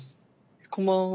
こんばんは。